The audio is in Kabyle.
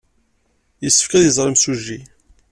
Yessefk ad iẓer imsujji.